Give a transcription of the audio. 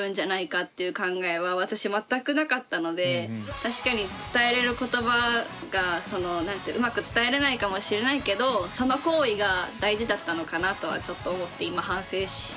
確かに伝えれる言葉がうまく伝えれないかもしれないけどその行為が大事だったのかなとはちょっと思って今反省してます。